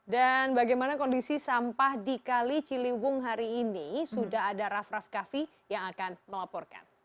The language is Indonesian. bagaimana kondisi sampah di kali ciliwung hari ini sudah ada raff raff kaffi yang akan melaporkan